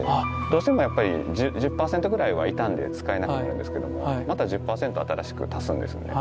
どうしてもやっぱり１０％ぐらいは傷んで使えなくなるんですけどもまた１０％新しく足すんですね。